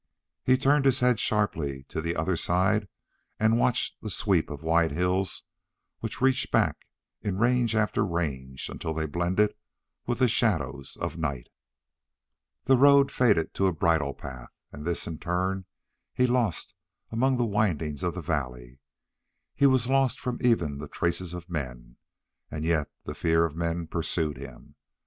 He turned his head sharply to the other side and watched the sweep of white hills which reached back in range after range until they blended with the shadows of night. The road faded to a bridle path, and this in turn he lost among the windings of the valley. He was lost from even the traces of men, and yet the fear of men pursued him.